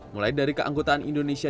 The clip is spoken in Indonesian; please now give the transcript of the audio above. mulai dari keanggotaan indonesia